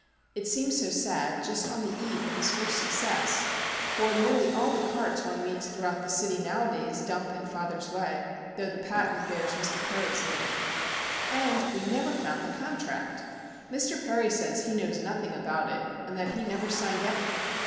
It seems so sad, just on the eve of his first success! For nearly all the carts one meets throughout the city nowadays dump in father's way, though the patent bears Mr. Perry's name. And we never found the contract! Mr. Perry says he knows nothing about it, and that he never signed any.